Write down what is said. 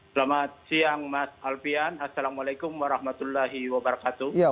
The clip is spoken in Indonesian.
selamat siang mas alpian assalamualaikum warahmatullahi wabarakatuh